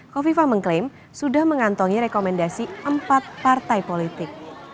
kofifa mengklaim sudah mengantongi rekomendasi empat partai politik